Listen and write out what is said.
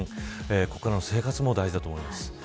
これからの生活も大事だと思います。